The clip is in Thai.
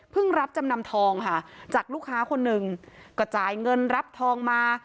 รับจำนำทองค่ะจากลูกค้าคนหนึ่งก็จ่ายเงินรับทองมา